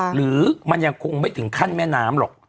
หรือมันยังคงไม่ถึงขั้นแม่น้ำหรอก